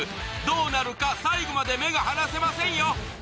どうなるか、最後まで目が離せませんよ。